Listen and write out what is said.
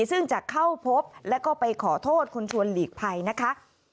ซึ่งจะเข้าพบแล้วก็ไปขอโทษคุณชวนหลีกภัยนะคะ